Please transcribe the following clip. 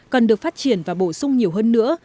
cần được phát triển và bổ sung nhiều hơn nữa